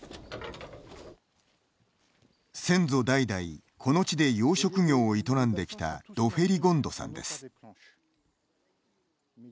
先祖代々、この地で養殖業を営んできたドフェリゴンドさんです。